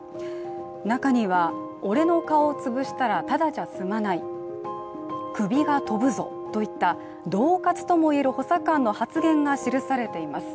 中には、俺の顔を潰したらただじゃ済まない、首が飛ぶぞといった、どう喝ともいえる補佐官の発言が記されています。